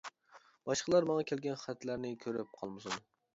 باشقىلار ماڭا كەلگەن خەتلەرنى كۆرۈپ قالمىسۇن.